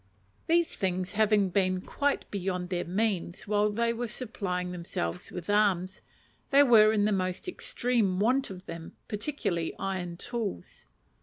These things having been quite beyond their means while they were supplying themselves with arms, they were in the most extreme want of them; particularly iron tools.